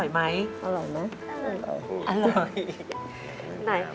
อร่อยไหมอร่อยอร่อย